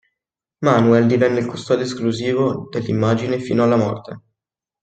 Manuel divenne il custode esclusivo dell'immagine fino alla morte.